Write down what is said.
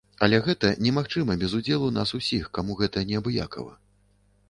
Але гэта немагчыма без удзелу нас усіх, каму гэта неабыякава.